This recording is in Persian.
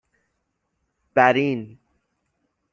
بَرین